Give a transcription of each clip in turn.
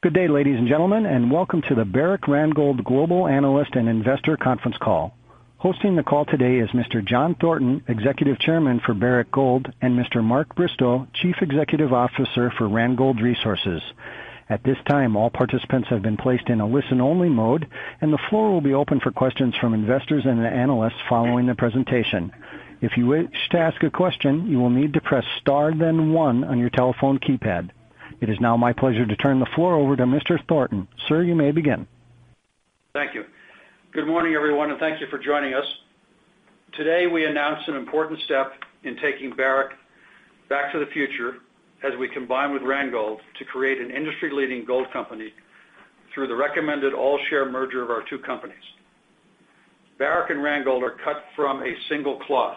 Good day, ladies and gentlemen, and welcome to the Barrick Randgold Global Analyst and Investor Conference Call. Hosting the call today is Mr. John Thornton, Executive Chairman for Barrick Gold, and Mr. Mark Bristow, Chief Executive Officer for Randgold Resources. At this time, all participants have been placed in a listen-only mode, and the floor will be open for questions from investors and analysts following the presentation. If you wish to ask a question, you will need to press star then one on your telephone keypad. It is now my pleasure to turn the floor over to Mr. Thornton. Sir, you may begin. Thank you. Good morning, everyone, and thank you for joining us. Today, we announce an important step in taking Barrick back to the future as we combine with Randgold to create an industry-leading gold company through the recommended all-share merger of our two companies. Barrick and Randgold are cut from a single cloth.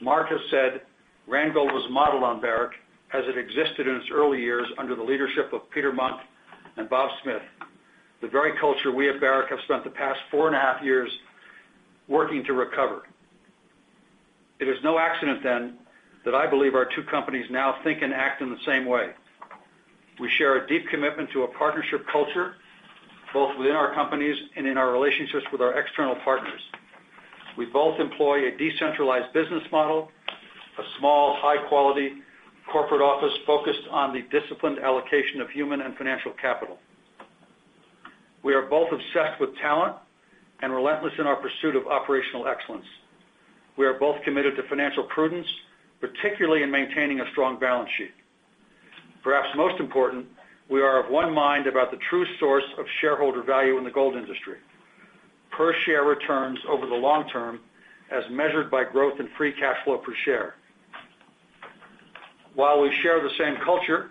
Mark has said Randgold was modeled on Barrick as it existed in its early years under the leadership of Peter Munk and Robert Smith, the very culture we at Barrick have spent the past four and a half years working to recover. It is no accident then, that I believe our two companies now think and act in the same way. We share a deep commitment to a partnership culture, both within our companies and in our relationships with our external partners. We both employ a decentralized business model, a small, high-quality corporate office focused on the disciplined allocation of human and financial capital. We are both obsessed with talent and relentless in our pursuit of operational excellence. We are both committed to financial prudence, particularly in maintaining a strong balance sheet. Perhaps most important, we are of one mind about the true source of shareholder value in the gold industry. Per-share returns over the long term as measured by growth in free cash flow per share. While we share the same culture,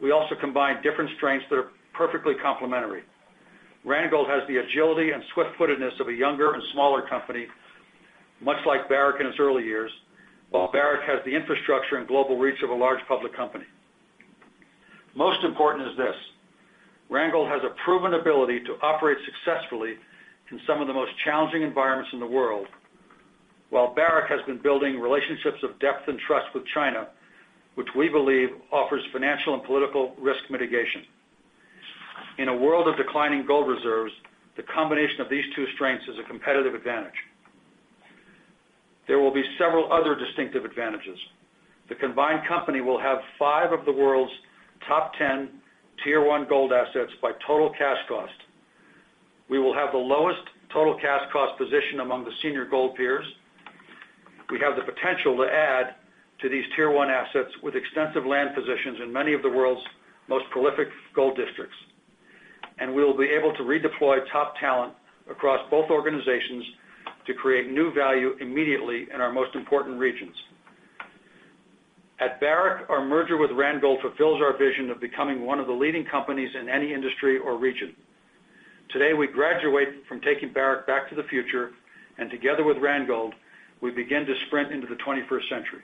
we also combine different strengths that are perfectly complementary. Randgold has the agility and swift-footedness of a younger and smaller company, much like Barrick in its early years, while Barrick has the infrastructure and global reach of a large public company. Most important is this, Randgold has a proven ability to operate successfully in some of the most challenging environments in the world. While Barrick has been building relationships of depth and trust with China, which we believe offers financial and political risk mitigation. In a world of declining gold reserves, the combination of these two strengths is a competitive advantage. There will be several other distinctive advantages. The combined company will have five of the world's top 10 tier-one gold assets by total cash cost. We will have the lowest total cash cost position among the senior gold peers. We have the potential to add to these tier-one assets with extensive land positions in many of the world's most prolific gold districts, and we will be able to redeploy top talent across both organizations to create new value immediately in our most important regions. At Barrick, our merger with Randgold fulfills our vision of becoming one of the leading companies in any industry or region. Today, we graduate from taking Barrick back to the future, and together with Randgold, we begin to sprint into the 21st century.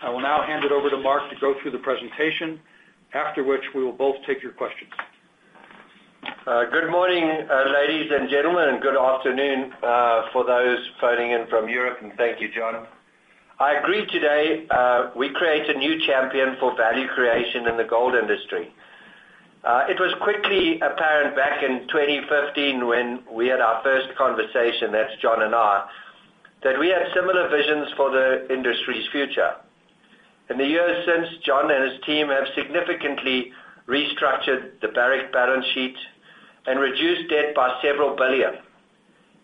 I will now hand it over to Mark to go through the presentation, after which we will both take your questions. Good morning, ladies and gentlemen, and good afternoon, for those phoning in from Europe. Thank you, John. I agree today, we create a new champion for value creation in the gold industry. It was quickly apparent back in 2015 when we had our first conversation, that's John and I, that we had similar visions for the industry's future. In the years since, John and his team have significantly restructured the Barrick balance sheet and reduced debt by several billion.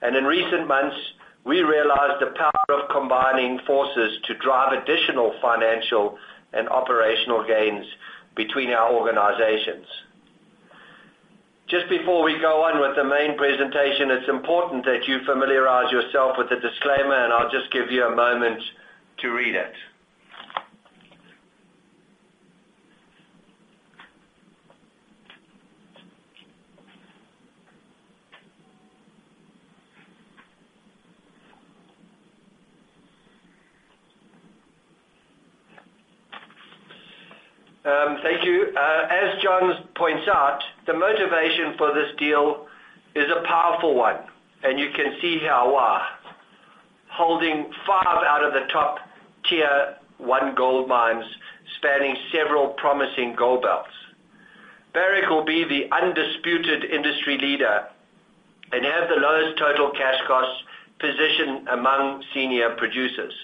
In recent months, we realized the power of combining forces to drive additional financial and operational gains between our organizations. Just before we go on with the main presentation, it's important that you familiarize yourself with the disclaimer, and I'll just give you a moment to read it. Thank you. As John points out, the motivation for this deal is a powerful one, and you can see how, why. Holding five out of the top tier 1 gold mines spanning several promising gold belts. Barrick will be the undisputed industry leader and have the lowest total cash cost position among senior producers.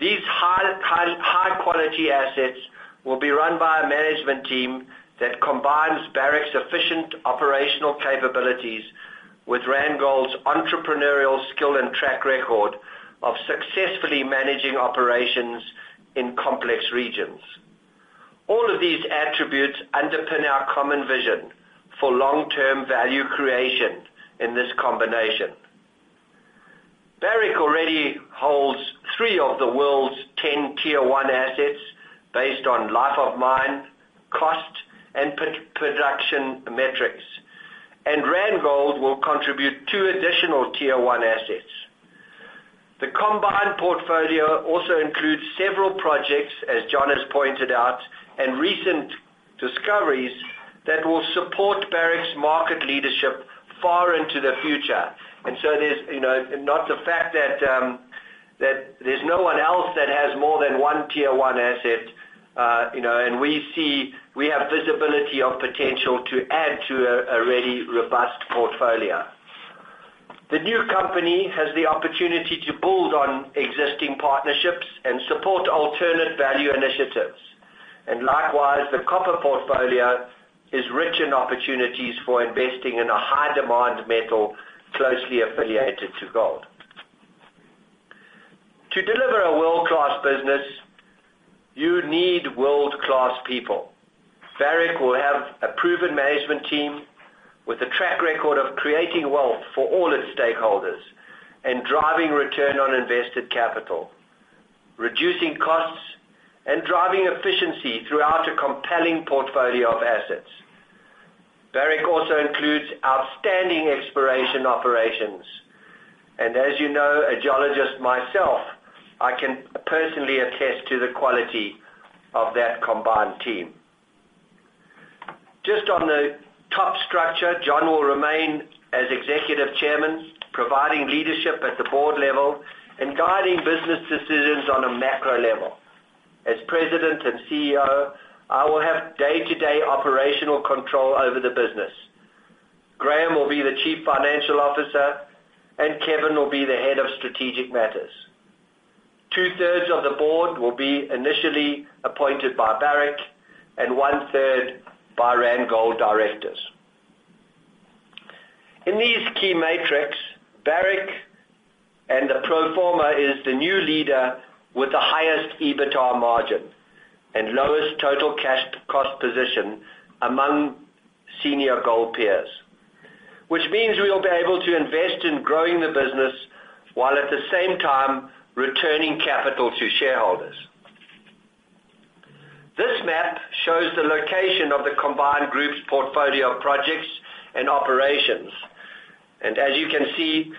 These high quality assets will be run by a management team that combines Barrick's efficient operational capabilities with Randgold's entrepreneurial skill and track record of successfully managing operations in complex regions. All of these attributes underpin our common vision for long-term value creation in this combination. Barrick already holds three of the world's 10 tier 1 assets based on life of mine, cost, and production metrics. Randgold will contribute two additional tier 1 assets. The combined portfolio also includes several projects, as John has pointed out, and recent discoveries that will support Barrick's market leadership far into the future. There's not the fact that there's no one else that has more than one tier 1 asset, and we have visibility of potential to add to a already robust portfolio. The new company has the opportunity to build on existing partnerships and support alternate value initiatives. Likewise, the copper portfolio is rich in opportunities for investing in a high-demand metal closely affiliated to gold. To deliver a world-class business, you need world-class people. Barrick will have a proven management team with a track record of creating wealth for all its stakeholders and driving return on invested capital, reducing costs, and driving efficiency throughout a compelling portfolio of assets. Barrick also includes outstanding exploration operations, as you know, a geologist myself, I can personally attest to the quality of that combined team. Just on the top structure, John will remain as Executive Chairman, providing leadership at the board level and guiding business decisions on a macro level. As President and CEO, I will have day-to-day operational control over the business. Graham will be the Chief Financial Officer, and Kevin will be the Head of Strategic Matters. Two-thirds of the board will be initially appointed by Barrick and one-third by Randgold directors. In these key metrics, Barrick and the pro forma is the new leader with the highest EBITDA margin and lowest total cash cost position among senior gold peers, which means we'll be able to invest in growing the business while at the same time returning capital to shareholders. This map shows the location of the combined group's portfolio of projects and operations. As you can see,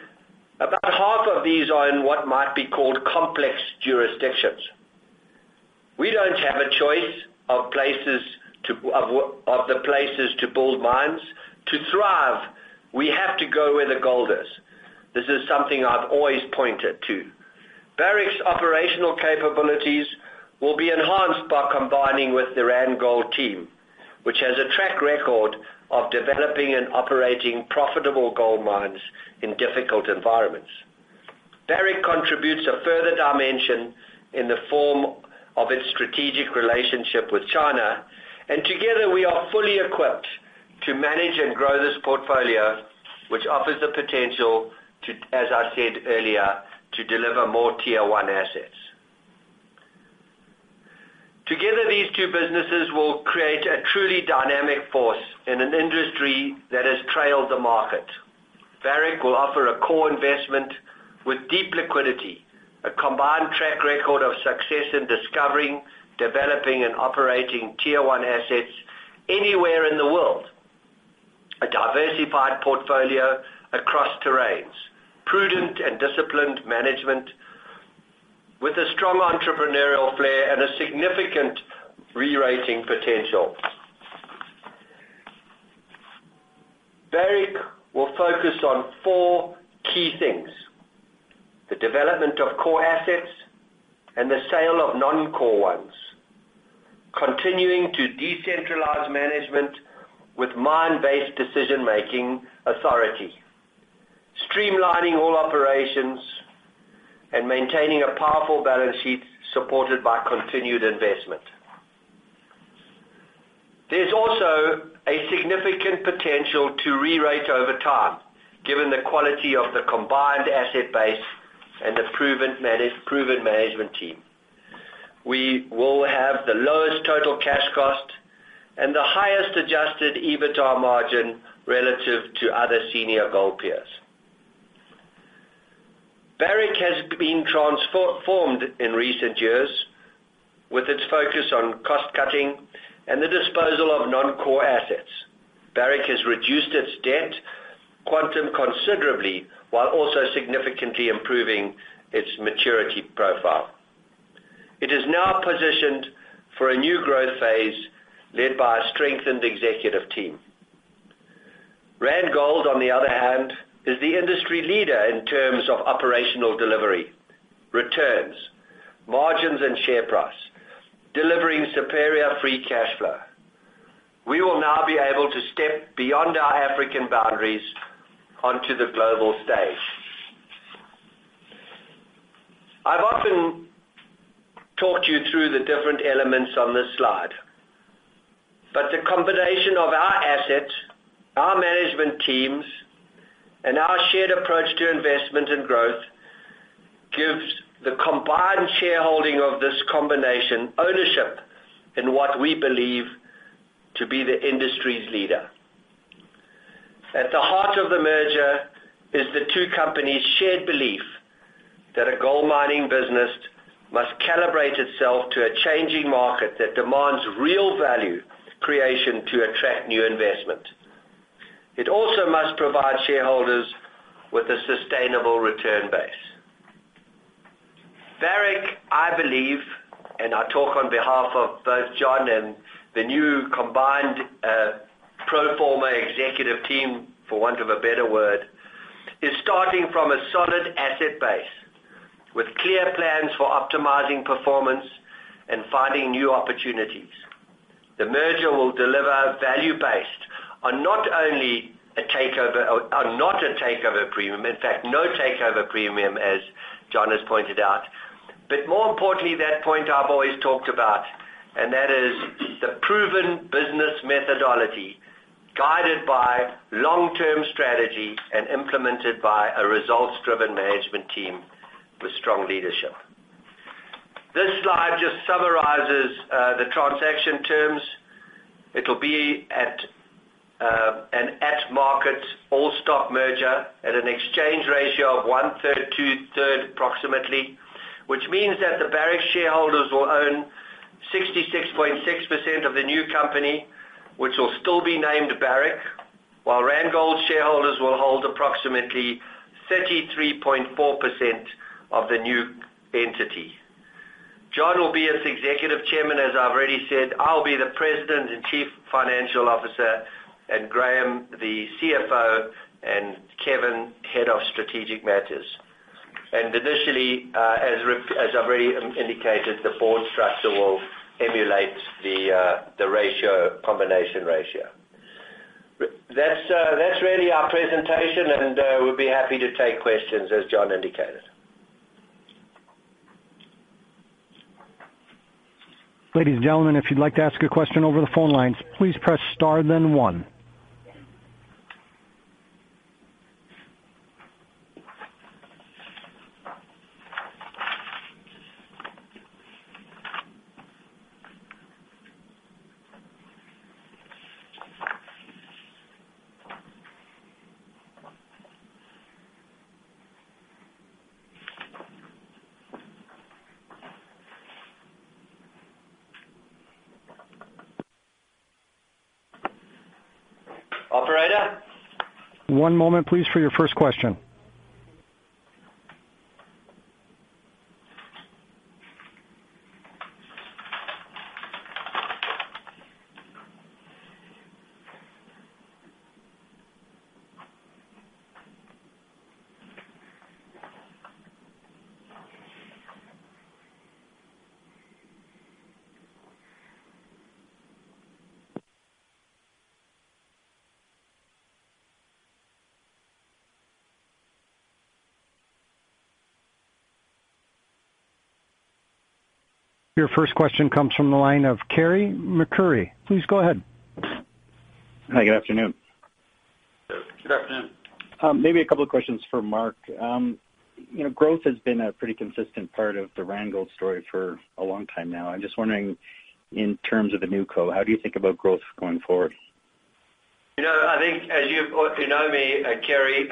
about half of these are in what might be called complex jurisdictions. We don't have a choice of the places to build mines. To thrive, we have to go where the gold is. This is something I've always pointed to. Barrick's operational capabilities will be enhanced by combining with the Randgold team, which has a track record of developing and operating profitable gold mines in difficult environments. Barrick contributes a further dimension in the form of its strategic relationship with China, together we are fully equipped to manage and grow this portfolio, which offers the potential, as I said earlier, to deliver more tier-one assets. Together, these two businesses will create a truly dynamic force in an industry that has trailed the market. Barrick will offer a core investment with deep liquidity, a combined track record of success in discovering, developing, and operating tier-one assets anywhere in the world, a diversified portfolio across terrains, prudent and disciplined management with a strong entrepreneurial flair, a significant rerating potential. Barrick will focus on four key things. The development of core assets and the sale of non-core ones. Continuing to decentralize management with mine-based decision-making authority. Streamlining all operations, maintaining a powerful balance sheet supported by continued investment. There's also a significant potential to rerate over time, given the quality of the combined asset base and the proven management team. We will have the lowest total cash cost and the highest adjusted EBITDA margin relative to other senior gold peers. Barrick has been transformed in recent years with its focus on cost-cutting and the disposal of non-core assets. Barrick has reduced its debt quantum considerably while also significantly improving its maturity profile. It is now positioned for a new growth phase led by a strengthened executive team. Randgold, on the other hand, is the industry leader in terms of operational delivery, returns, margins, and share price, delivering superior free cash flow. We will now be able to step beyond our African boundaries onto the global stage. I've often talked you through the different elements on this slide, the combination of our assets, our management teams, and our shared approach to investment and growth gives the combined shareholding of this combination ownership in what we believe to be the industry's leader. At the heart of the merger is the two companies' shared belief that a gold mining business must calibrate itself to a changing market that demands real value creation to attract new investment. It also must provide shareholders with a sustainable return base. Barrick, I believe, and I talk on behalf of both John and the new combined pro forma executive team, for want of a better word, is starting from a solid asset base with clear plans for optimizing performance and finding new opportunities. The merger will deliver value based on not a takeover premium. In fact, no takeover premium, as John has pointed out. More importantly, that point I've always talked about, and that is the proven business methodology, guided by long-term strategy and implemented by a results-driven management team with strong leadership. This slide just summarizes the transaction terms. It'll be an at-market all-stock merger at an exchange ratio of one-third, two-thirds approximately, which means that the Barrick shareholders will own 66.6% of the new company, which will still be named Barrick, while Randgold shareholders will hold approximately 33.4% of the new entity. John will be as Executive Chairman, as I've already said. I'll be the President and Chief Financial Officer, and Graham, the CFO, and Kevin, Head of Strategic Matters. Initially, as I've already indicated, the board structure will emulate the combination ratio. That's really our presentation, and we'll be happy to take questions as John indicated. Ladies and gentlemen, if you'd like to ask a question over the phone lines, please press star then one. Operator? One moment, please, for your first question. Your first question comes from the line of Kerry McCurry. Please go ahead. Hi, good afternoon. Good afternoon. Maybe a couple of questions for Mark. Growth has been a pretty consistent part of the Randgold story for a long time now. I'm just wondering, in terms of the NewCo, how do you think about growth going forward? I think, you know me, Kerry,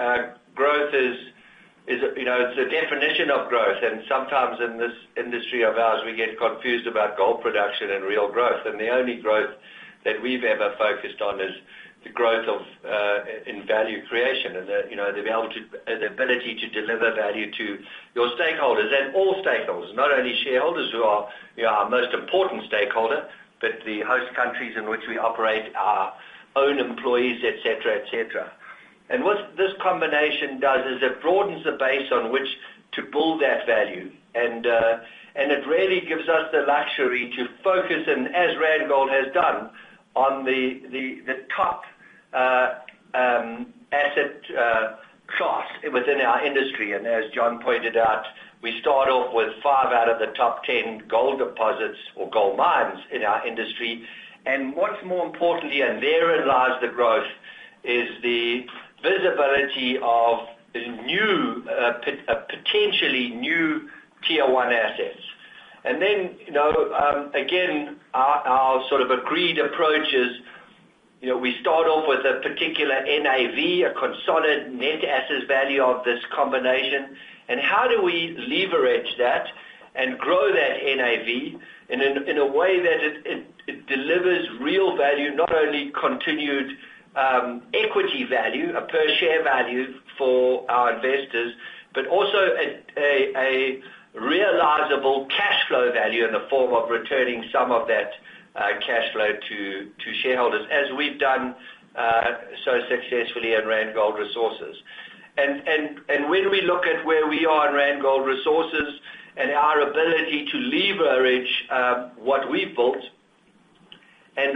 growth is the definition of growth. Sometimes in this industry of ours, we get confused about gold production and real growth. The only growth that we've ever focused on is the growth in value creation and the ability to deliver value to your stakeholders and all stakeholders. Not only shareholders who are our most important stakeholder, but the host countries in which we operate, our own employees, et cetera. What this combination does is it broadens the base on which to build that value. It really gives us the luxury to focus, and as Randgold has done, on the top asset class within our industry. As John pointed out, we start off with five out of the top 10 gold deposits or gold mines in our industry. What's more importantly, and therein lies the growth, is the visibility of potentially new tier 1 assets. Again, our sort of agreed approach is we start off with a particular NAV, a consolidated net asset value of this combination, and how do we leverage that and grow that NAV in a way that it delivers real value, not only continued equity value, a per share value for our investors, but also a realizable cash flow value in the form of returning some of that cash flow to shareholders as we've done so successfully at Randgold Resources. When we look at where we are in Randgold Resources and our ability to leverage what we've built,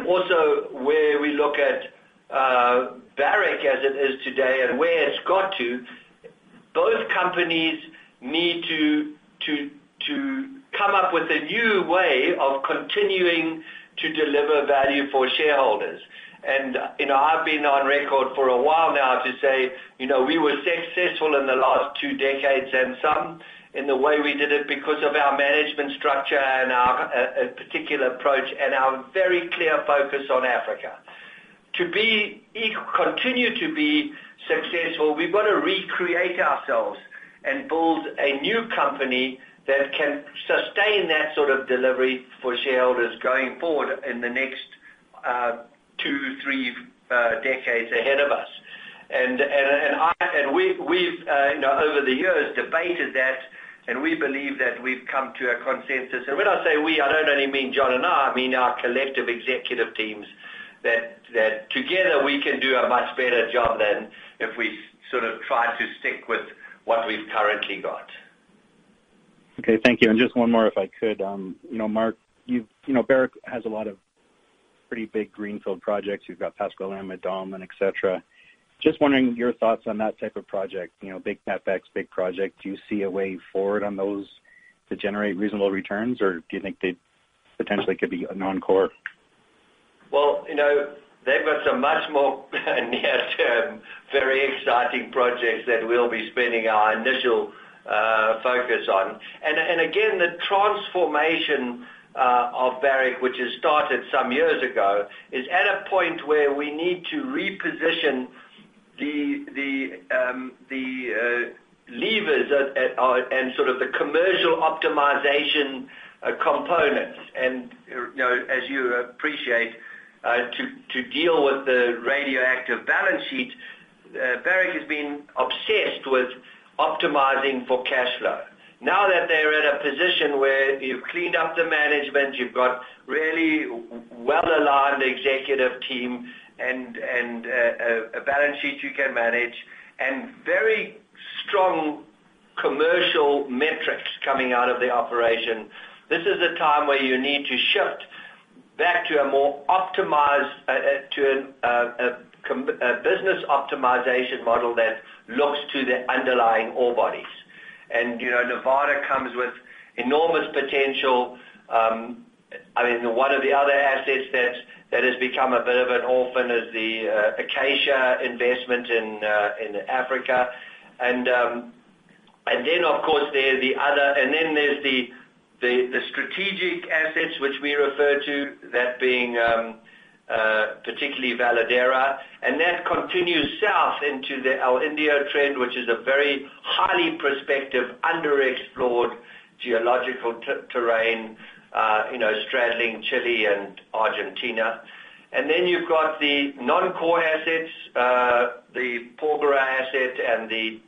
also where we look at Barrick as it is today and where it's got to, both companies need to come up with a new way of continuing to deliver value for shareholders. I've been on record for a while now to say we were successful in the last 2 decades and some in the way we did it because of our management structure and our particular approach and our very clear focus on Africa. To continue to be successful, we've got to recreate ourselves and build a new company that can sustain that sort of delivery for shareholders going forward in the next two, three decades ahead of us. We've, over the years, debated that, and we believe that we've come to a consensus. When I say we, I don't only mean John and I mean our collective executive teams, that together we can do a much better job than if we sort of try to stick with what we've currently got. Okay, thank you. Just one more, if I could. Mark, Barrick has a lot of pretty big greenfield projects. You've got Pascua Lama, Donlin, et cetera. Just wondering your thoughts on that type of project, big CapEx, big project. Do you see a way forward on those to generate reasonable returns, or do you think they potentially could be a non-core? Well, they've got some much more near-term, very exciting projects that we'll be spending our initial focus on. Again, the transformation of Barrick, which has started some years ago, is at a point where we need to reposition the levers and sort of the commercial optimization components. As you appreciate, to deal with the radioactive balance sheet, Barrick has been obsessed with optimizing for cash flow. Now that they're in a position where you've cleaned up the management, you've got really well-aligned executive team, and a balance sheet you can manage, and very strong commercial metrics coming out of the operation, this is the time where you need to shift back to a more optimized, to a business optimization model that looks to the underlying ore bodies. Nevada comes with enormous potential. One of the other assets that has become a bit of an orphan is the Acacia investment in Africa. Then, of course, there's the strategic assets, which we refer to, that being particularly Veladero, and that continues south into our El Indio trend, which is a very highly prospective, under-explored geological terrain straddling Chile and Argentina. Then you've got the non-core assets, the Porgera asset and the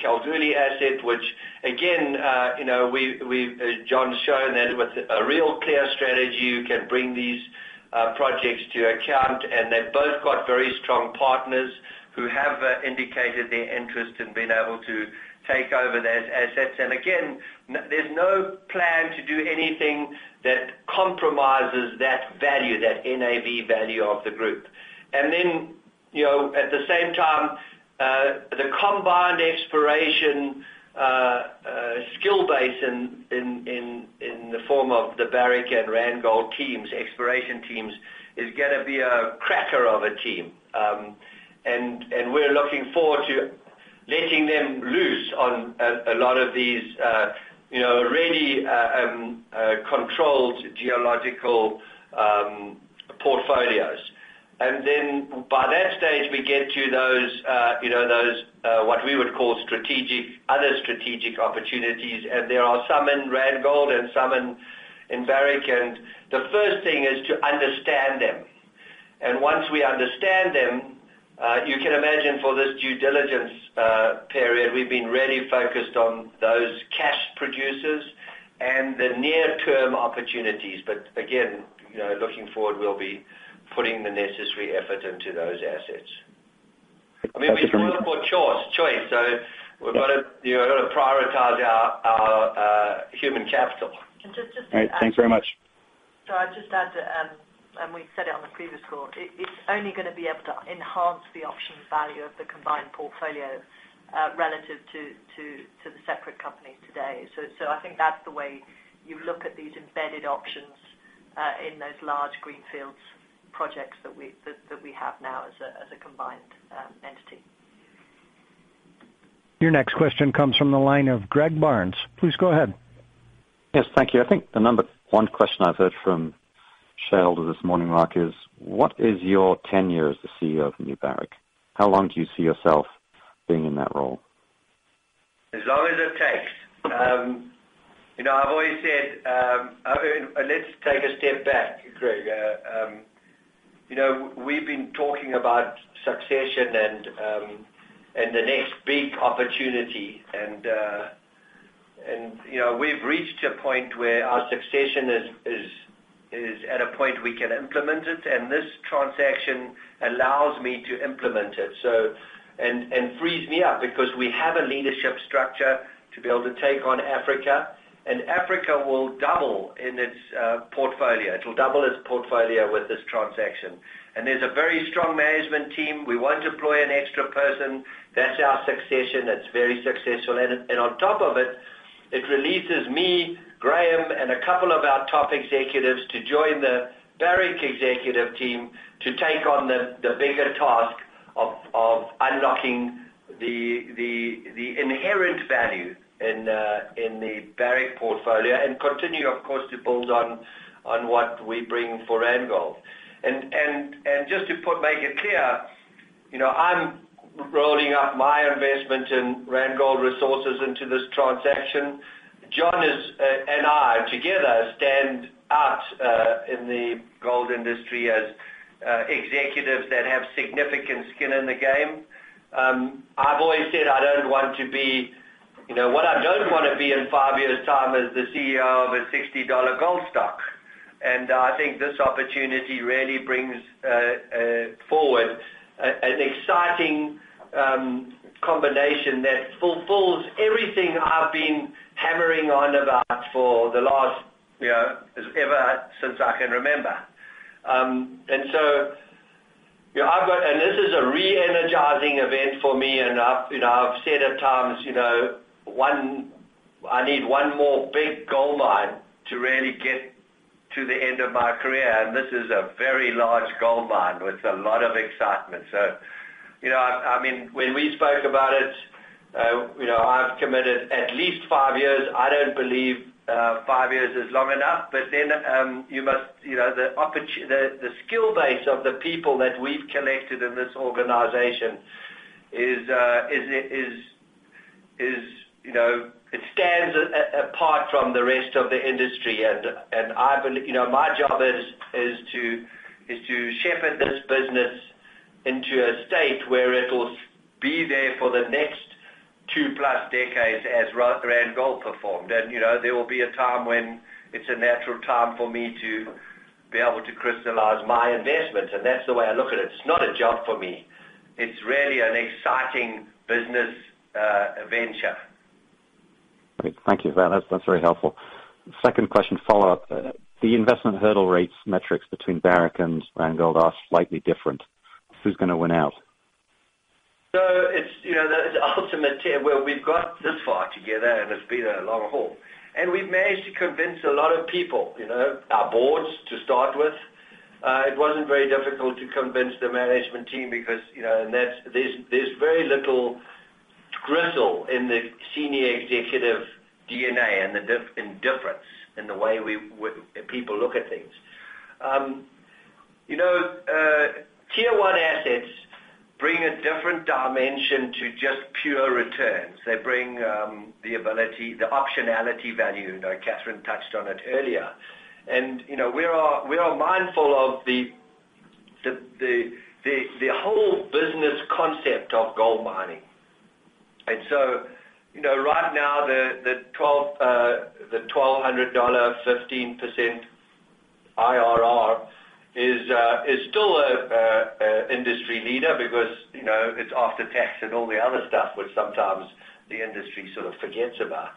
Kalgoorlie asset, which again, John's shown that with a real clear strategy, you can bring these projects to account, and they've both got very strong partners who have indicated their interest in being able to take over those assets. Again, there's no plan to do anything that compromises that value, that NAV value of the group. Then, at the same time, the combined exploration skill base in the form of the Barrick and Randgold teams, exploration teams, is gonna be a cracker of a team. We're looking forward to letting them loose on a lot of these really controlled geological portfolios. Then by that stage, we get to those, what we would call other strategic opportunities. There are some in Randgold and some in Barrick. The first thing is to understand them. Once we understand them, you can imagine for this due diligence period, we've been really focused on those cash producers and the near-term opportunities. Again, looking forward, we'll be putting the necessary effort into those assets. Thank you for- I mean, we've still got more choice. We've got to prioritize our human capital. Just to add. All right. Thanks very much. I'd just add to, and we said it on the previous call, it's only going to be able to enhance the option value of the combined portfolio relative to the separate companies today. I think that's the way you look at these embedded options in those large greenfields projects that we have now as a combined entity. Your next question comes from the line of Greg Barnes. Please go ahead. Yes, thank you. I think the number 1 question I've heard from shareholders this morning, Mark, is what is your tenure as the CEO of New Barrick? How long do you see yourself being in that role? As long as it takes. I've always said Let's take a step back, Greg. We've been talking about succession and the next big opportunity. We've reached a point where our succession is at a point we can implement it, and this transaction allows me to implement it. Frees me up because we have a leadership structure to be able to take on Africa will double in its portfolio. It will double its portfolio with this transaction. There's a very strong management team. We won't deploy an extra person. That's our succession. That's very successful. On top of it releases me, Graham, and a couple of our top executives to join the Barrick executive team to take on the bigger task of unlocking the inherent value in the Barrick portfolio and continue, of course, to build on what we bring for Randgold. Just to make it clear, I'm rolling up my investment in Randgold Resources into this transaction. John and I together stand in the gold industry as executives that have significant skin in the game. I've always said What I don't want to be in 5 years' time is the CEO of a $60 gold stock. I think this opportunity really brings forward an exciting combination that fulfills everything I've been hammering on about for ever since I can remember. This is a re-energizing event for me and I've said at times, I need one more big gold mine to really get to the end of my career, and this is a very large gold mine with a lot of excitement. When we spoke about it, I've committed at least 5 years. I don't believe 5 years is long enough. The skill base of the people that we've collected in this organization, it stands apart from the rest of the industry. My job is to shepherd this business into a state where it will be there for the next two-plus decades as Randgold performed. There will be a time when it's a natural time for me to be able to crystallize my investment. That's the way I look at it. It's not a job for me. It's really an exciting business venture. Great. Thank you for that. That's very helpful. Second question, follow-up. The investment hurdle rates metrics between Barrick and Randgold are slightly different. Who's going to win out? It's the ultimate team where we've got this far together, and it's been a long haul. We've managed to convince a lot of people, our boards to start with. It wasn't very difficult to convince the management team because there's very little gristle in the senior executive DNA and the indifference in the way people look at things. Tier 1 assets bring a different dimension to just pure returns. They bring the optionality value. Catherine touched on it earlier. We are mindful of the whole business concept of gold mining. Right now, the $1,200, 15% IRR is still an industry leader because it's after-tax and all the other stuff, which sometimes the industry sort of forgets about.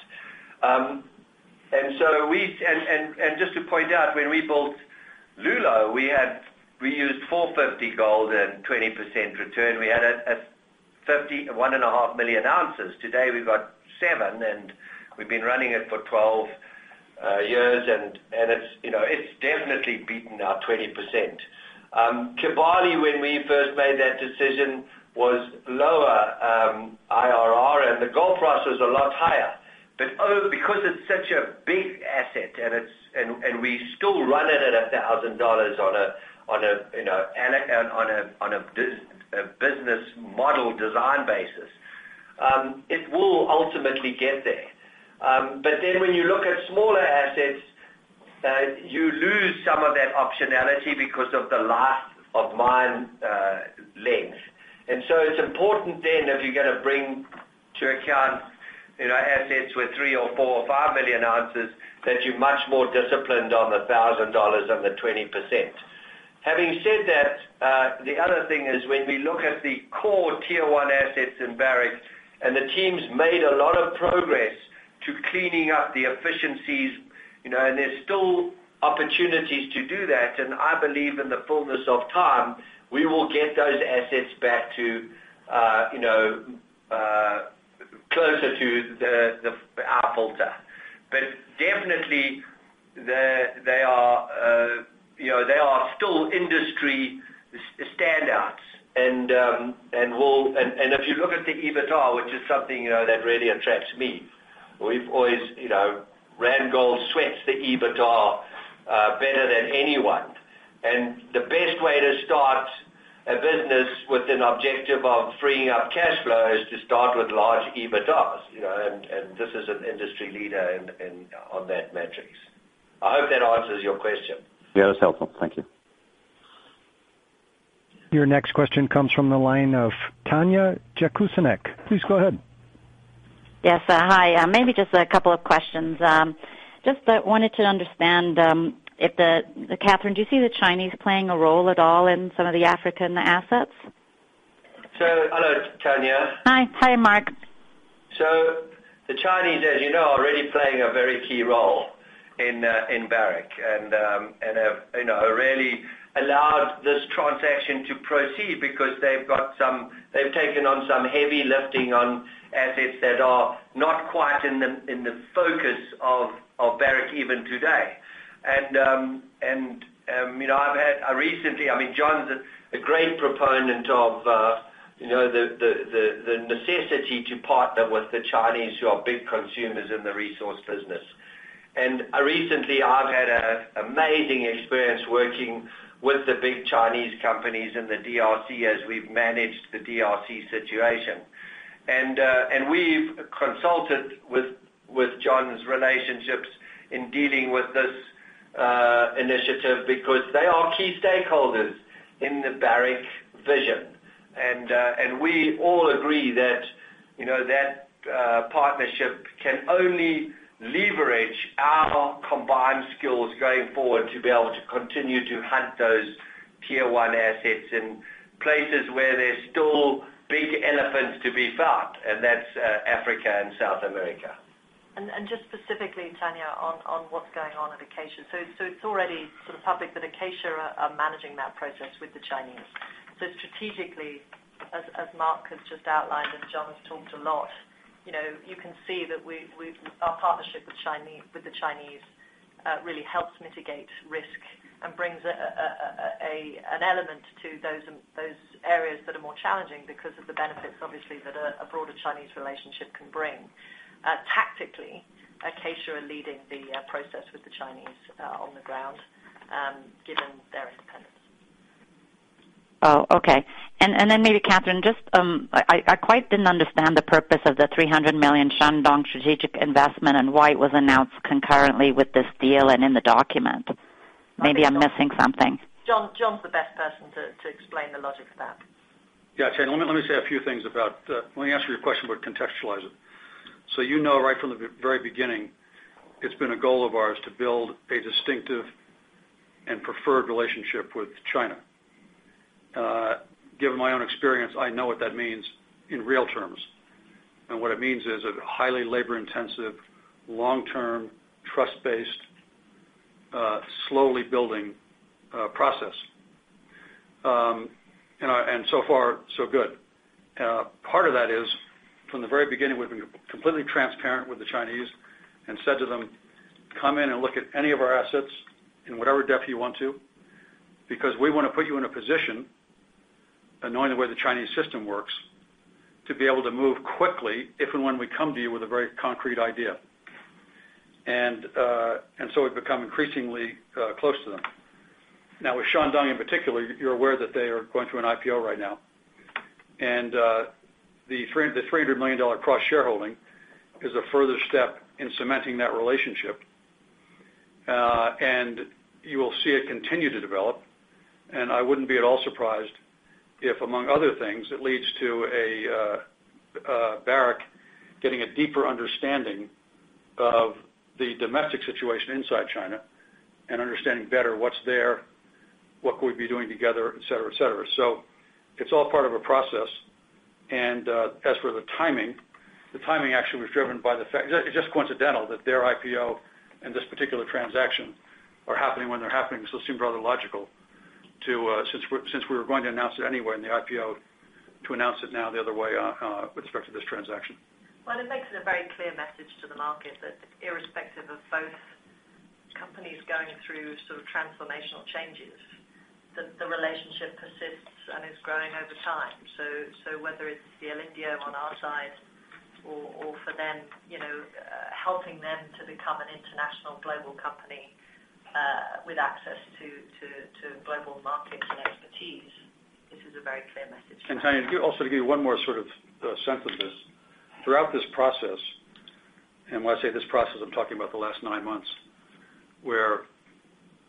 Just to point out, when we built Loulo, we used $450 gold and 20% return. We had 1.5 million ounces. Today, we've got seven, and we've been running it for 12 years, and it's definitely beaten our 20%. Kibali, when we first made that decision, was lower IRR, and the gold price was a lot higher. Because it's such a big asset and we still run it at $1,000 on a business model design basis, it will ultimately get there. When you look at smaller assets, you lose some of that optionality because of the life of mine length. It's important then if you're going to bring to account assets with three or four or five million ounces, that you're much more disciplined on the $1,000 on the 20%. Having said that, the other thing is when we look at the core tier-one assets in Barrick, the team's made a lot of progress to cleaning up the efficiencies, there's still opportunities to do that. I believe in the fullness of time, we will get those assets back closer to our filter. Definitely, they are still industry standouts. If you look at the EBITDA, which is something that really attracts me, Randgold sweats the EBITDA better than anyone. The best way to start a business with an objective of freeing up cash flow is to start with large EBITDAs. This is an industry leader on that matrix. I hope that answers your question. Yeah, that's helpful. Thank you. Your next question comes from the line of Tanya Jakusconek. Please go ahead. Yes. Hi. Maybe just a couple of questions. Just wanted to understand, Catherine, do you see the Chinese playing a role at all in some of the African assets? hello, Tanya. Hi, Mark. The Chinese, as you know, are already playing a very key role in Barrick and have really allowed this transaction to proceed because they've taken on some heavy lifting on assets that are not quite in the focus of Barrick even today. John's a great proponent of the necessity to partner with the Chinese, who are big consumers in the resource business. Recently, I've had an amazing experience working with the big Chinese companies in the DRC as we've managed the DRC situation. We've consulted with John's relationships in dealing with this initiative because they are key stakeholders in the Barrick vision. We all agree that partnership can only leverage our combined skills going forward to be able to continue to hunt those tier 1 assets in places where there's still big elephants to be found, and that's Africa and South America. Just specifically, Tanya, on what's going on at Acacia. It's already sort of public that Acacia are managing that process with the Chinese. Strategically, as Mark has just outlined and John has talked a lot, you can see that our partnership with the Chinese really helps mitigate risk and brings an element to those areas that are more challenging because of the benefits, obviously, that a broader Chinese relationship can bring. Tactically, Acacia are leading the process with the Chinese on the ground, given their independence. Oh, okay. Maybe Catherine, I quite didn't understand the purpose of the $300 million Shandong strategic investment and why it was announced concurrently with this deal and in the document. Maybe I'm missing something. John is the best person to explain the logic for that. Yeah, Tanya, let me answer your question, contextualize it. You know right from the very beginning, it's been a goal of ours to build a distinctive and preferred relationship with China. Given my own experience, I know what that means in real terms. What it means is a highly labor-intensive, long-term, trust-based, slowly building process. So far so good. Part of that is, from the very beginning, we've been completely transparent with the Chinese and said to them, "Come in and look at any of our assets in whatever depth you want to, because we want to put you in a position, and knowing the way the Chinese system works, to be able to move quickly if and when we come to you with a very concrete idea." We've become increasingly close to them. Now, with Shandong in particular, you're aware that they are going through an IPO right now. The $300 million cross shareholding is a further step in cementing that relationship. You will see it continue to develop. I wouldn't be at all surprised if, among other things, it leads to Barrick getting a deeper understanding of the domestic situation inside China and understanding better what's there, what could we be doing together, et cetera. It's all part of a process, and as for the timing, the timing actually was driven by the fact it's just coincidental that their IPO and this particular transaction are happening when they're happening. It seemed rather logical, since we were going to announce it anyway in the IPO, to announce it now the other way with respect to this transaction. Well, it makes it a very clear message to the market that irrespective of both companies going through sort of transformational changes, that the relationship persists and is growing over time. Whether it's the El Indio on our side or for them, helping them to become an international global company with access to global markets and expertise, this is a very clear message. Tanya, also to give you one more sort of sense of this. Throughout this process, and when I say this process, I'm talking about the last nine months, where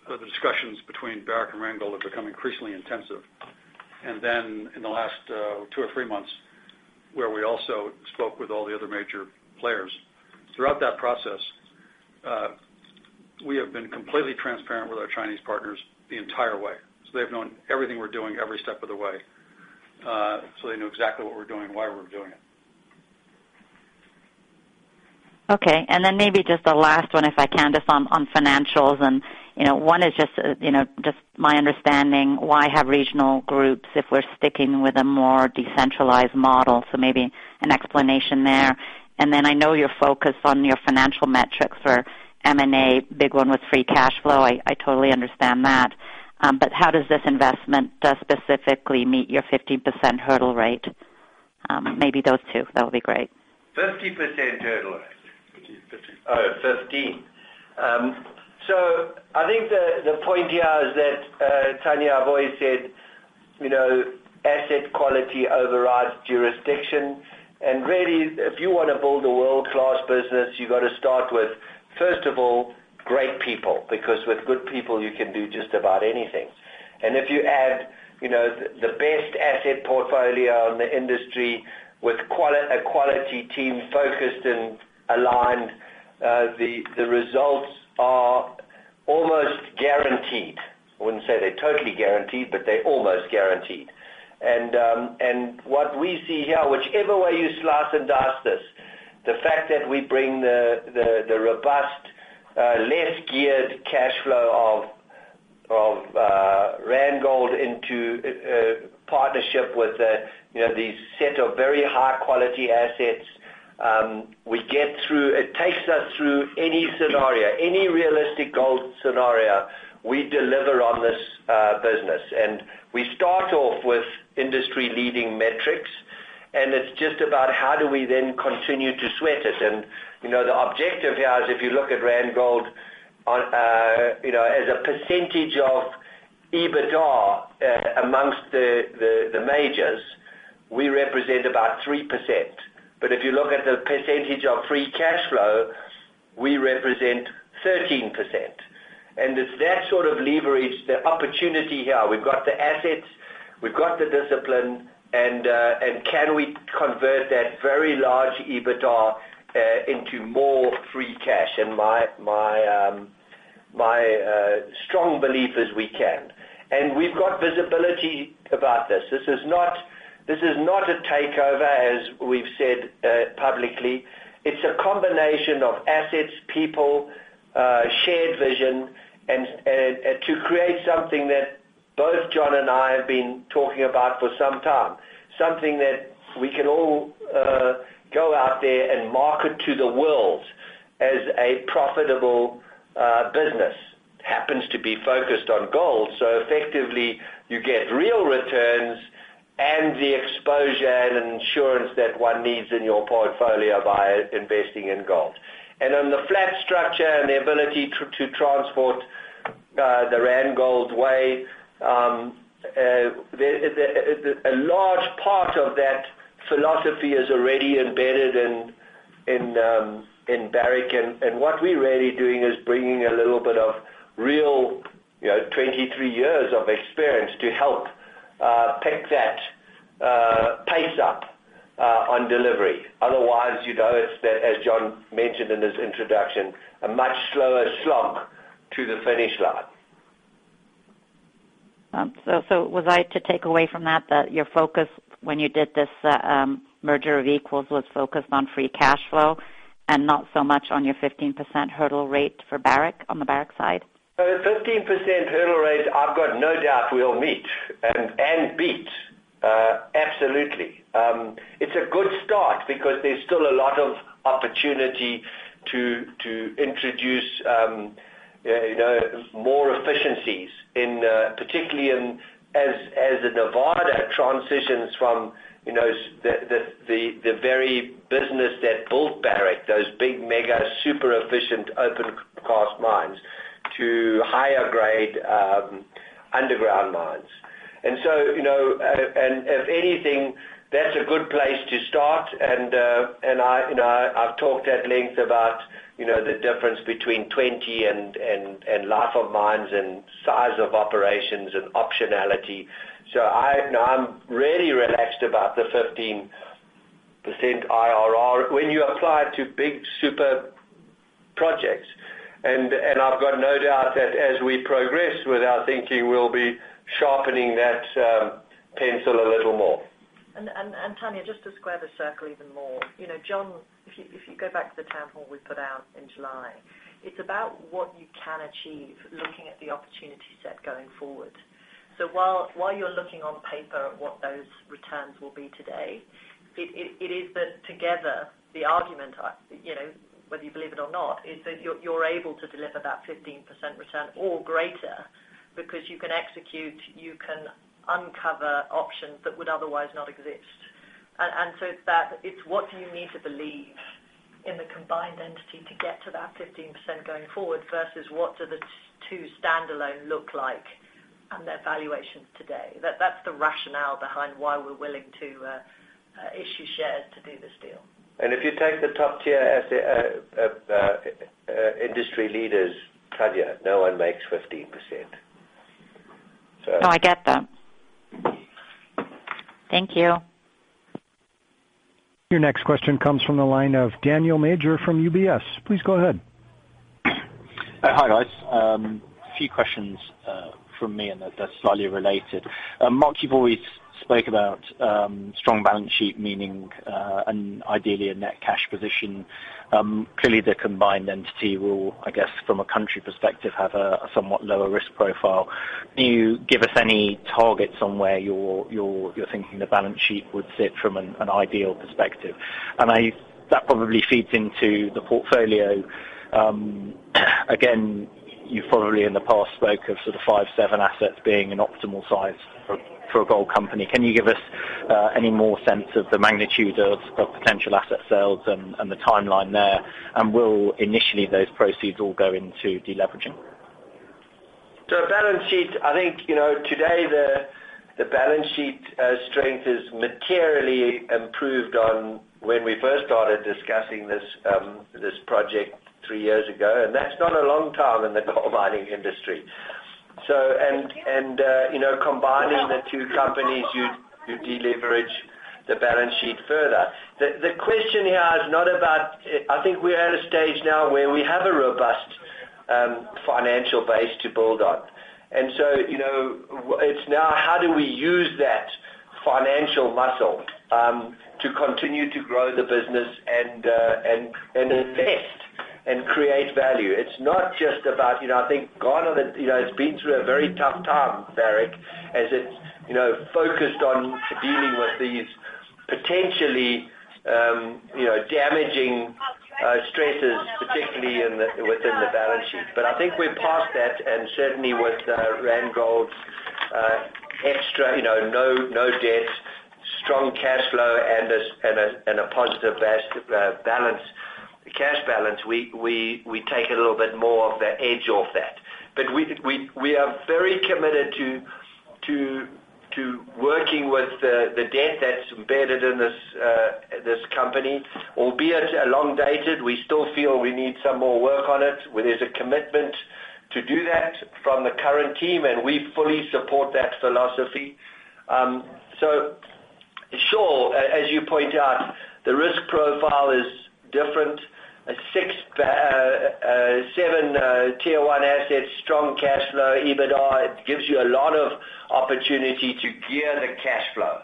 the discussions between Barrick and Randgold have become increasingly intensive. Then in the last two or three months, where we also spoke with all the other major players. Throughout that process, we have been completely transparent with our Chinese partners the entire way. They've known everything we're doing every step of the way. They knew exactly what we're doing and why we're doing it. Okay, maybe just the last one, if I can, just on financials. One is just my understanding, why have regional groups if we're sticking with a more decentralized model? Maybe an explanation there. I know you're focused on your financial metrics for M&A, big one with free cash flow. I totally understand that. How does this investment specifically meet your 15% hurdle rate? Maybe those two. That would be great. 15% hurdle rate? 15. 15. I think the point here is that, Tanya, I've always said asset quality overrides jurisdiction. Really, if you want to build a world-class business, you've got to start with, first of all, great people, because with good people, you can do just about anything. If you add the best asset portfolio in the industry with a quality team focused and aligned, the results are almost guaranteed. I wouldn't say they're totally guaranteed, but they're almost guaranteed. What we see here, whichever way you slice and dice this, the fact that we bring the robust, less geared cash flow of Randgold into partnership with these set of very high-quality assets, it takes us through any scenario, any realistic gold scenario, we deliver on this business. We start off with industry-leading metrics, and it's just about how do we then continue to sweat it. The objective here is if you look at Randgold as a percentage of EBITDA amongst the majors, we represent about 3%. If you look at the percentage of free cash flow, we represent 13%. It's that sort of leverage, the opportunity here. We've got the assets, we've got the discipline, can we convert that very large EBITDA into more free cash? My strong belief is we can. We've got visibility about this. This is not a takeover as we've said publicly. It's a combination of assets, people, shared vision, and to create something that both John and I have been talking about for some time. Something that we can all go out there and market to the world as a profitable business. Happens to be focused on gold, effectively, you get real returns and the exposure and insurance that one needs in your portfolio by investing in gold. On the flat structure and the ability to transport the Randgold way, a large part of that philosophy is already embedded in Barrick. What we're really doing is bringing a little bit of real 23 years of experience to help pick that pace up on delivery. Otherwise, you'd notice that, as John mentioned in his introduction, a much slower slog to the finish line. Was I to take away from that your focus when you did this merger of equals was focused on free cash flow and not so much on your 15% hurdle rate for Barrick on the Barrick side? The 15% hurdle rate, I've got no doubt we'll meet and beat, absolutely. It's a good start because there's still a lot of opportunity to introduce more efficiencies, particularly as Nevada transitions from the very business that built Barrick, those big mega, super efficient open cast mines, to higher grade underground mines. If anything, that's a good place to start and I've talked at length about the difference between 20 and life of mines and size of operations and optionality. I'm really relaxed about the 15% IRR when you apply it to big super projects. I've got no doubt that as we progress with our thinking, we'll be sharpening that pencil a little more. Tanya, just to square the circle even more. John, if you go back to the town hall we put out in July, it's about what you can achieve looking at the opportunity set going forward. While you're looking on paper at what those returns will be today, it is that together the argument, whether you believe it or not, is that you're able to deliver that 15% return or greater because you can execute, you can uncover options that would otherwise not exist. It's what do you need to believe in the combined entity to get to that 15% going forward versus what do the two standalone look like and their valuations today? That's the rationale behind why we're willing to issue shares to do this deal. If you take the top tier industry leaders, Tanya, no one makes 15%. No, I get that. Thank you. Your next question comes from the line of Daniel Major from UBS. Please go ahead. Hi, guys. A few questions from me. They're slightly related. Mark, you've always spoke about strong balance sheet, meaning ideally a net cash position. Clearly, the combined entity will, I guess, from a country perspective, have a somewhat lower risk profile. Can you give us any target somewhere you're thinking the balance sheet would sit from an ideal perspective? That probably feeds into the portfolio. Again, you've probably in the past spoke of sort of five, seven assets being an optimal size for a gold company. Can you give us any more sense of the magnitude of potential asset sales and the timeline there? Will initially those proceeds all go into deleveraging? Balance sheet, I think today the balance sheet strength is materially improved on when we first started discussing this project three years ago, and that's not a long time in the gold mining industry. Combining the two companies, you deleverage the balance sheet further. The question here is not about. I think we're at a stage now where we have a robust financial base to build on. It's now how do we use that financial muscle to continue to grow the business and invest and create value? It's not just about. It's been through a very tough time, Barrick, as it's focused on dealing with these potentially damaging stresses, particularly within the balance sheet. I think we're past that, and certainly with Randgold's extra no debt. Strong cash flow and a positive cash balance, we take a little bit more of the edge off that. We are very committed to working with the debt that's embedded in this company, albeit elongated, we still feel we need some more work on it, where there's a commitment to do that from the current team, and we fully support that philosophy. Sure, as you point out, the risk profile is different. Seven tier-1 assets, strong cash flow, EBITDA, it gives you a lot of opportunity to gear the cash flow.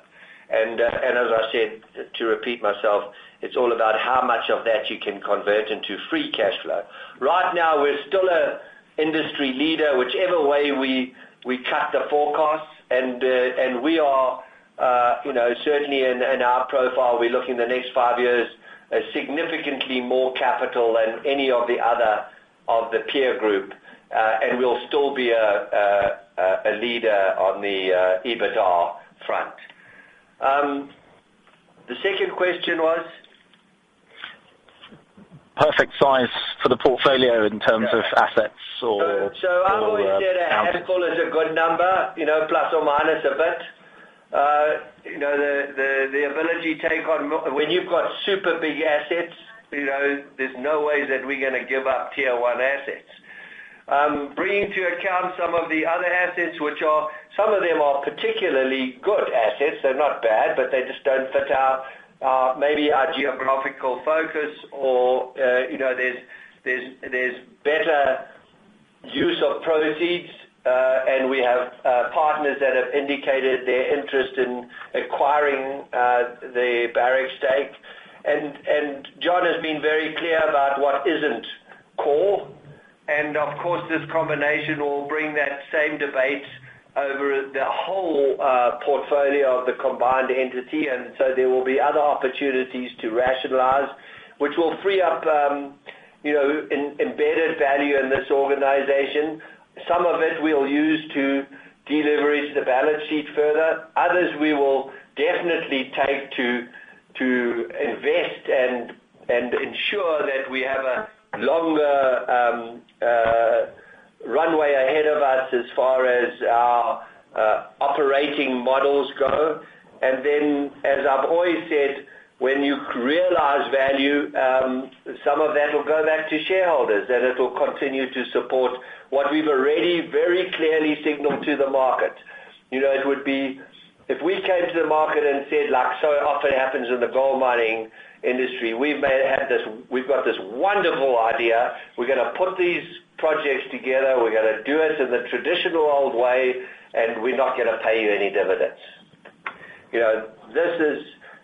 As I said, to repeat myself, it's all about how much of that you can convert into free cash flow. Right now, we're still an industry leader whichever way we cut the forecasts and we are, certainly in our profile, we look in the next 5 years as significantly more capital than any of the other of the peer group. We'll still be a leader on the EBITDA front. The second question was? Perfect size for the portfolio in terms of assets or? I've always said half call is a good number, plus or minus a bit. The ability to take on When you've got super big assets, there's no way that we're going to give up tier-one assets. Bringing to account some of the other assets, which are, some of them are particularly good assets. They're not bad, but they just don't fit our, maybe our geographical focus or there's better use of proceeds, and we have partners that have indicated their interest in acquiring the Barrick stake. John has been very clear about what isn't core, and of course, this combination will bring that same debate over the whole portfolio of the combined entity. There will be other opportunities to rationalize, which will free up embedded value in this organization. Some of it we'll use to de-leverage the balance sheet further. Others, we will definitely take to invest and ensure that we have a longer runway ahead of us as far as our operating models go. As I've always said, when you realize value, some of that will go back to shareholders, and it'll continue to support what we've already very clearly signaled to the market. If we came to the market and said, like so often happens in the gold mining industry, "We've got this wonderful idea. We're going to put these projects together. We're going to do it in the traditional old way, and we're not going to pay you any dividends."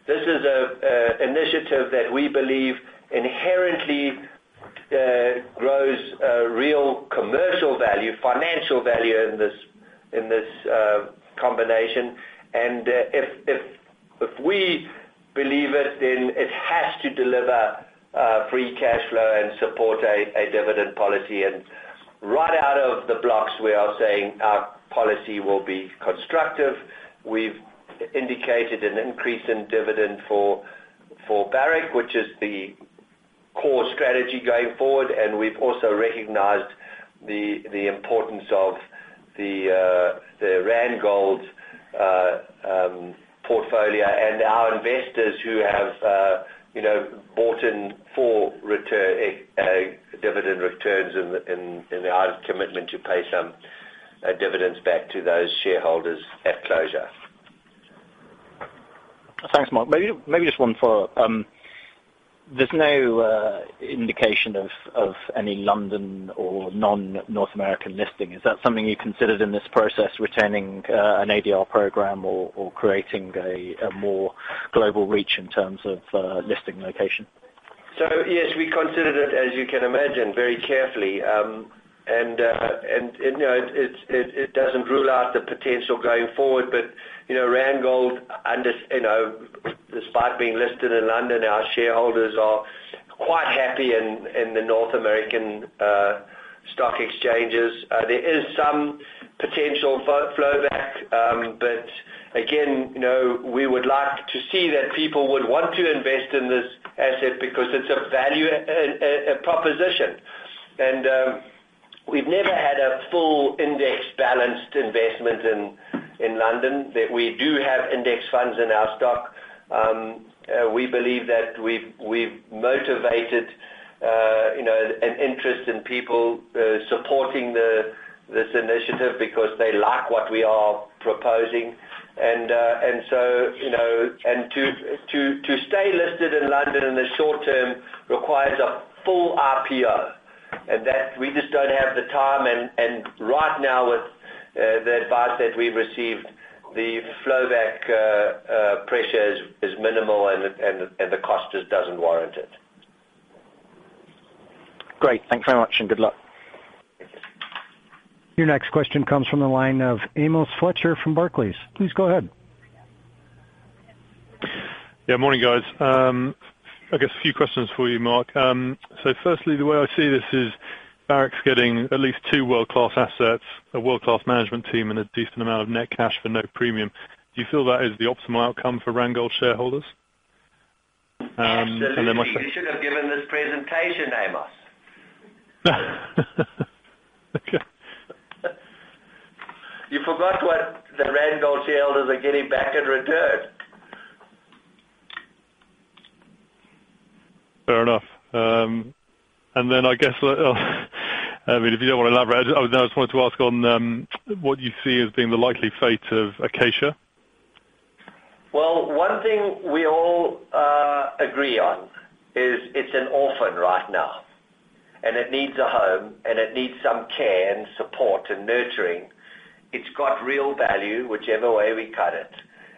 This is an initiative that we believe inherently grows real commercial value, financial value in this combination. If we believe it, then it has to deliver free cash flow and support a dividend policy. Right out of the blocks, we are saying our policy will be constructive. We've indicated an increase in dividend for Barrick, which is the core strategy going forward, and we've also recognized the importance of the Randgold portfolio and our investors who have bought in for dividend returns and our commitment to pay some dividends back to those shareholders at closure. Thanks, Mark. Maybe just one follow-up. There's no indication of any London or non-North American listing. Is that something you considered in this process, retaining an ADR program or creating a more global reach in terms of listing location? Yes, we considered it, as you can imagine, very carefully. It doesn't rule out the potential going forward, but Randgold, despite being listed in London, our shareholders are quite happy in the North American stock exchanges. There is some potential flowback, but again, we would like to see that people would want to invest in this asset because it's a value proposition. We've never had a full index balanced investment in London. That we do have index funds in our stock. We believe that we've motivated an interest in people supporting this initiative because they like what we are proposing. To stay listed in London in the short term requires a full RPO. That we just don't have the time and right now with the advice that we've received, the flowback pressure is minimal and the cost just doesn't warrant it. Great. Thank you very much, and good luck. Your next question comes from the line of Amos Fletcher from Barclays. Please go ahead. Yeah. Morning, guys. I guess a few questions for you, Mark. Firstly, the way I see this is Barrick's getting at least two world-class assets, a world-class management team, and a decent amount of net cash for no premium. Do you feel that is the optimal outcome for Randgold shareholders? My second- Absolutely. You should have given this presentation, Amos. Okay. You forgot what the Randgold shareholders are getting back in return. Fair enough. I guess, if you don't want to elaborate, I just wanted to ask on what you see as being the likely fate of Acacia. Well, one thing we all agree on is it's an orphan right now, and it needs a home, and it needs some care and support and nurturing. It's got real value, whichever way we cut it.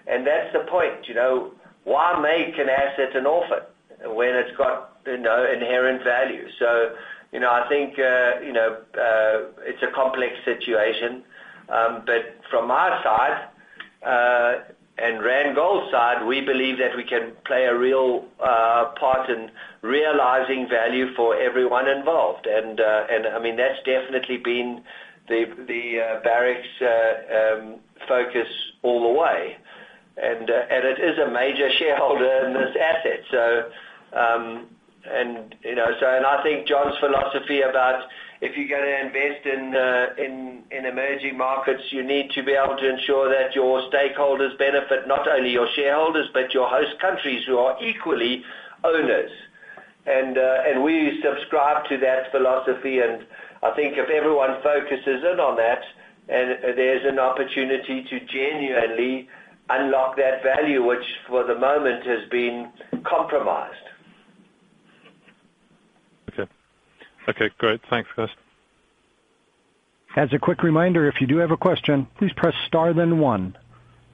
That's the point. Why make an asset an orphan when it's got inherent value? I think it's a complex situation. From our side and Randgold's side, we believe that we can play a real part in realizing value for everyone involved. That's definitely been Barrick's focus all the way, and it is a major shareholder in this asset. I think John's philosophy about if you're going to invest in emerging markets, you need to be able to ensure that your stakeholders benefit, not only your shareholders but your host countries who are equally owners. We subscribe to that philosophy, and I think if everyone focuses in on that, there's an opportunity to genuinely unlock that value, which for the moment has been compromised. Okay. Okay, great. Thanks, guys. As a quick reminder, if you do have a question, please press star then one.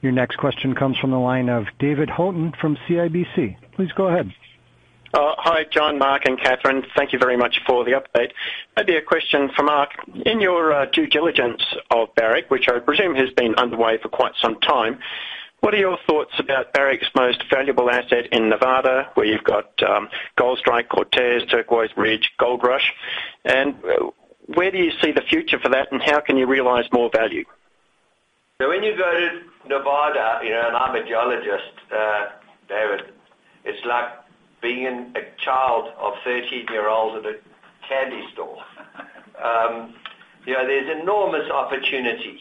Your next question comes from the line of David Haughton from CIBC. Please go ahead. Hi, John, Mark, and Catherine. Thank you very much for the update. Maybe a question for Mark. In your due diligence of Barrick, which I presume has been underway for quite some time, what are your thoughts about Barrick's most valuable asset in Nevada, where you've got Goldstrike, Cortez, Turquoise Ridge, Goldrush? Where do you see the future for that, and how can you realize more value? When you go to Nevada, I'm a geologist, David, it's like being a child of 13 years old at a candy store. There's enormous opportunities,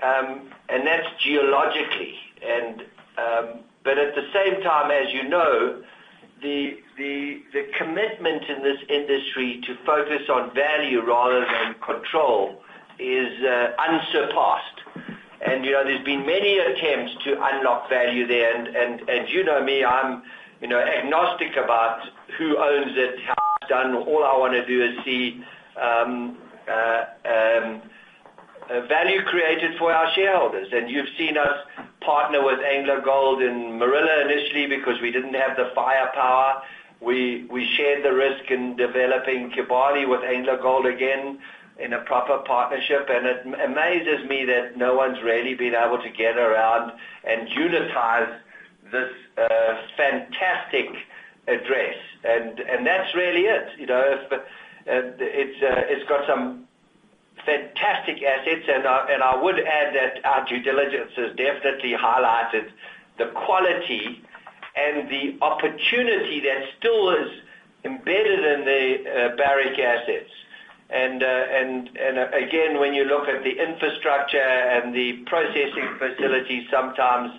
that's geologically. At the same time, as you know, the commitment in this industry to focus on value rather than control is unsurpassed. There's been many attempts to unlock value there. You know me, I'm agnostic about who owns it, how it's done. All I want to do is see value created for our shareholders. You've seen us partner with AngloGold in Morila initially because we didn't have the firepower. We shared the risk in developing Kibali with AngloGold again in a proper partnership, it amazes me that no one's really been able to get around and utilize this fantastic address. That's really it. It's got some fantastic assets, I would add that our due diligence has definitely highlighted the quality and the opportunity that still is embedded in the Barrick assets. Again, when you look at the infrastructure and the processing facilities, sometimes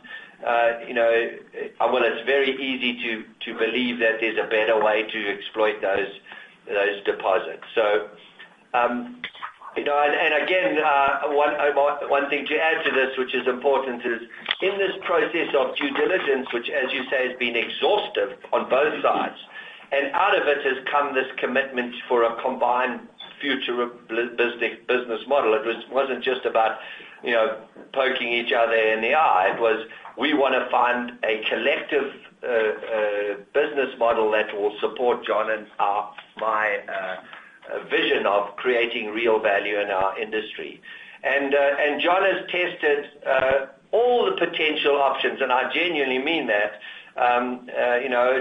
it's very easy to believe that there's a better way to exploit those deposits. Again, one thing to add to this, which is important, is in this process of due diligence, which as you say, has been exhaustive on both sides, out of it has come this commitment for a combined future business model. It wasn't just about poking each other in the eye. It was, we want to find a collective business model that will support John and my vision of creating real value in our industry. John has tested all the potential options, I genuinely mean that,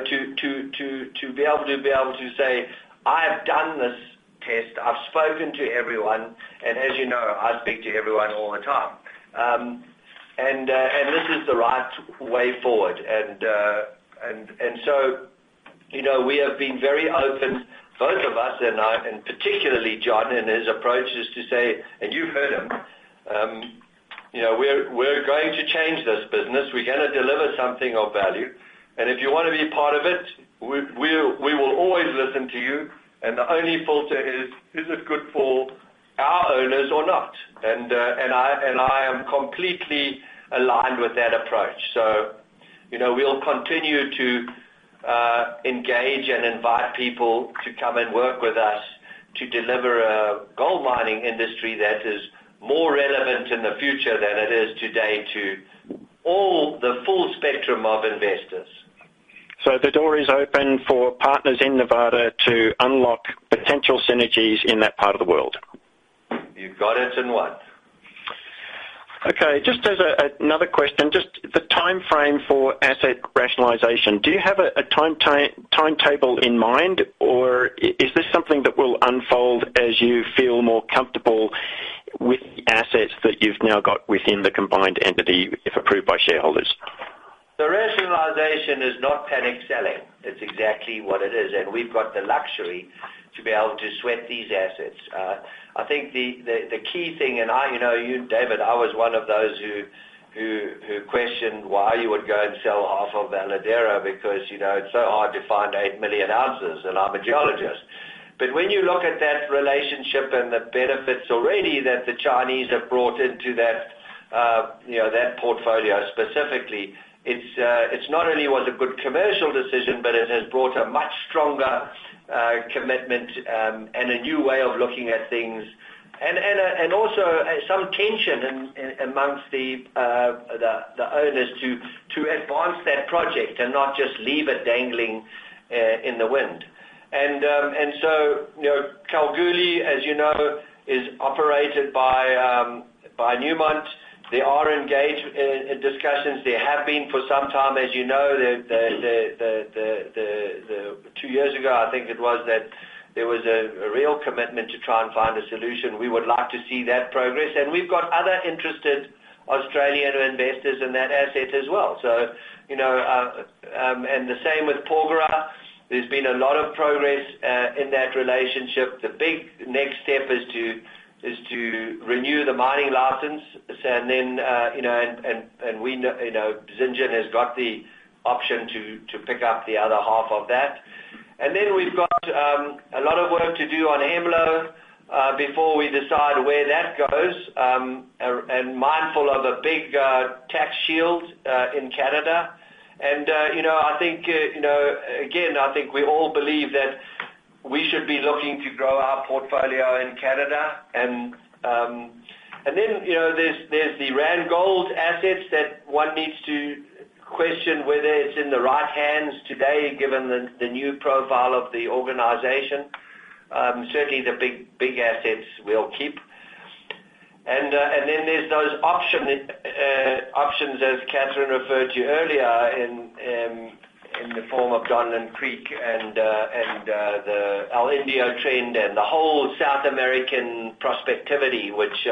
to be able to say, "I have done this test. I've spoken to everyone," as you know, I speak to everyone all the time. This is the right way forward. We have been very open, both of us, particularly John and his approach is to say, and you've heard him, "We're going to change this business. We're going to deliver something of value. If you want to be part of it, we will always listen to you. The only filter is it good for our owners or not?" I am completely aligned with that approach. We'll continue to engage and invite people to come and work with us to deliver a gold mining industry that is more relevant in the future than it is today to all the full spectrum of investors. The door is open for partners in Nevada to unlock potential synergies in that part of the world. You've got it in one. Okay, just as another question, just the timeframe for asset rationalization. Do you have a timetable in mind, or is this something that will unfold as you feel more comfortable with the assets that you've now got within the combined entity, if approved by shareholders? The rationalization is not panic selling. That's exactly what it is. We've got the luxury to be able to sweat these assets. I think the key thing, and you, David, I was one of those who questioned why you would go and sell half of Veladero because it's so hard to find 8 million ounces, and I'm a geologist. When you look at that relationship and the benefits already that the Chinese have brought into that portfolio specifically, it's not only was a good commercial decision, but it has brought a much stronger commitment, and a new way of looking at things. Also some tension amongst the owners to advance that project and not just leave it dangling in the wind. Goldstrike, as you know, is operated by Newmont. They are engaged in discussions. They have been for some time, as you know. 2 years ago, I think it was, that there was a real commitment to try and find a solution. We would like to see that progress. We've got other interested Australian investors in that asset as well. The same with Porgera. There's been a lot of progress in that relationship. The big next step is to renew the mining license. Zijin has got the option to pick up the other half of that. Then we've got a lot of work to do on Hemlo before we decide where that goes, and mindful of a big tax shield in Canada. Again, I think we all believe that we should be looking to grow our portfolio in Canada. Then, there's the Randgold assets that one needs to question whether it's in the right hands today, given the new profile of the organization. Certainly, the big assets we'll keep. Then there's those options that Catherine referred to earlier in the form of Donlin and the El Indio trend and the whole South American prospectivity, which,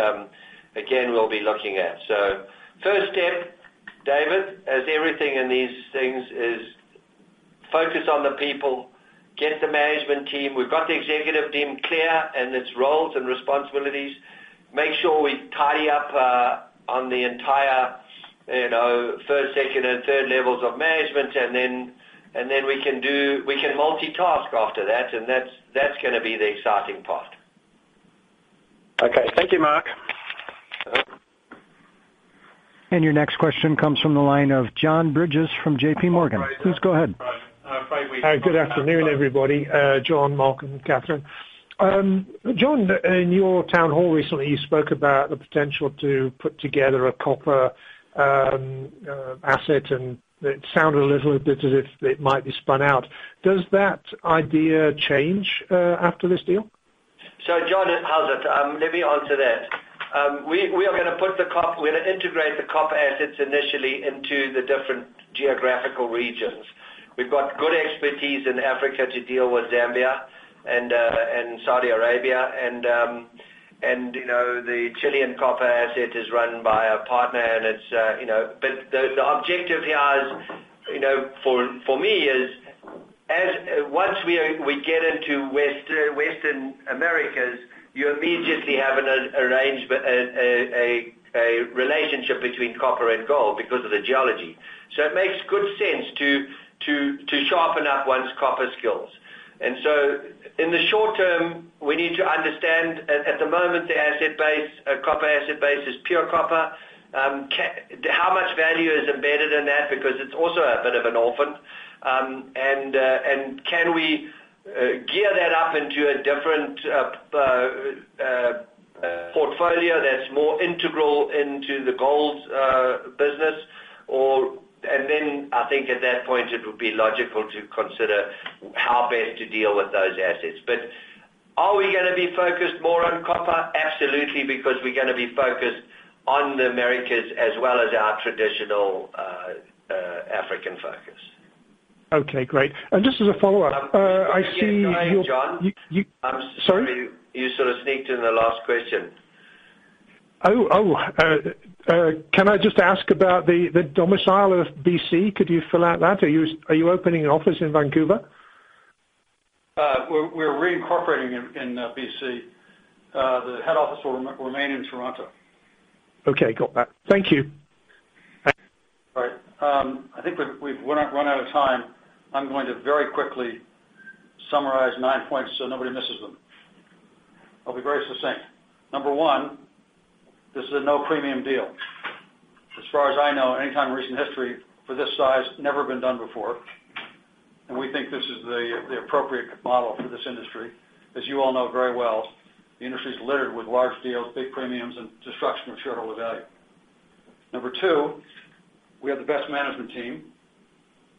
again, we'll be looking at. First step, David, as everything in these things is focus on the people, get the management team. We've got the executive team clear and its roles and responsibilities. Make sure we tidy up on the entire first, second, and third levels of management. Then we can multitask after that. That's going to be the exciting part. Okay. Thank you, Mark. Your next question comes from the line of John Bridges from J.P. Morgan. Please go ahead. Hi, good afternoon, everybody. John, Mark, and Catherine. John, in your town hall recently, you spoke about the potential to put together a copper asset, and it sounded a little bit as if it might be spun out. Does that idea change after this deal? John, hold it. Let me answer that. We are going to integrate the copper assets initially into the different geographical regions. We've got good expertise in Africa to deal with Zambia and Saudi Arabia, and the Chilean copper asset is run by a partner. The objective here is for me is, once we get into Western Americas, you immediately have a relationship between copper and gold because of the geology. It makes good sense to sharpen up one's copper skills. In the short term, we need to understand at the moment, the asset base, copper asset base is pure copper. How much value is embedded in that because it's also a bit of an orphan? Can we gear that up into a different portfolio that's more integral into the gold business? I think at that point, it would be logical to consider how best to deal with those assets. Are we going to be focused more on copper? Absolutely, because we're going to be focused on the Americas as well as our traditional African focus. Okay, great. Just as a follow-up, I see you- Go ahead, John. Sorry? You sort of sneaked in the last question. Oh. Can I just ask about the domicile of BC? Could you fill out that? Are you opening an office in Vancouver? We're reincorporating in BC. The head office will remain in Toronto. Okay, got that. Thank you. All right. I think we've run out of time. I'm going to very quickly summarize nine points so nobody misses them. I'll be very succinct. Number 1, this is a no premium deal. As far as I know, anytime in recent history for this size, never been done before. We think this is the appropriate model for this industry. As you all know very well, the industry's littered with large deals, big premiums, and destruction of shareholder value. Number 2, we have the best management team,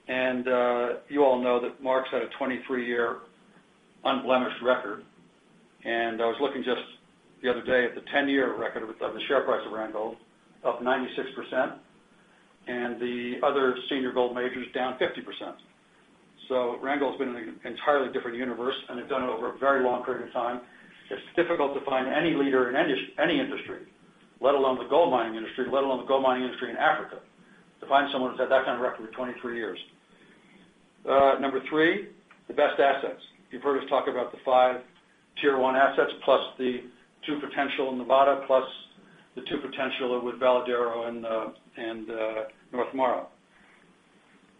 and you all know that Mark's had a 23-year unblemished record. I was looking just the other day at the 10-year record of the share price of Randgold, up 96%, and the other senior gold majors down 50%. Randgold's been in an entirely different universe, and they've done it over a very long period of time. It's difficult to find any leader in any industry, let alone the gold mining industry, let alone the gold mining industry in Africa, to find someone who's had that kind of record for 23 years. Number 3, the best assets. You've heard us talk about the 5 tier-one assets, plus the 2 potential in Nevada, plus the 2 potential with Veladero and North Mara.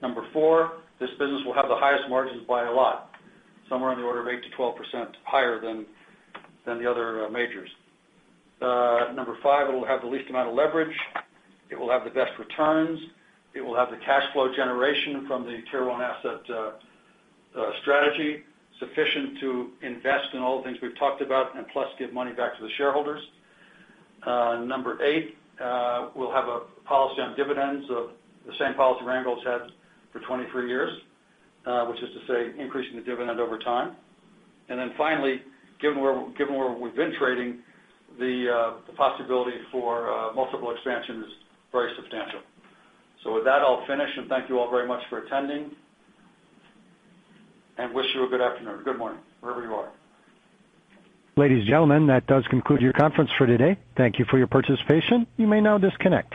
Number 4, this business will have the highest margins by a lot, somewhere in the order of 8%-12% higher than the other majors. Number 5, it'll have the least amount of leverage. It will have the best returns. It will have the cash flow generation from the tier-one asset strategy sufficient to invest in all the things we've talked about and plus give money back to the shareholders. Number 8, we'll have a policy on dividends of the same policy Randgold's had for 23 years, which is to say, increasing the dividend over time. Finally, given where we've been trading, the possibility for multiple expansion is very substantial. With that, I'll finish and thank you all very much for attending, and wish you a good afternoon or good morning, wherever you are. Ladies and gentlemen, that does conclude your conference for today. Thank you for your participation. You may now disconnect.